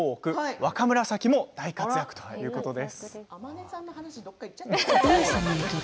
若紫も大活躍ということです。